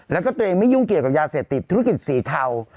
แล้วก็ตัวเองไม่ยุ่งเกี่ยวกับยาเสพติดธุรกิจสีเทา